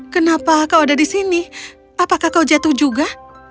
kenapa kau ada di sini apakah kau jatuh juga